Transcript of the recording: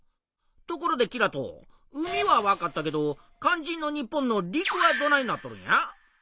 ところでキラト海はわかったけどかんじんの日本の陸はどないなっとるんや？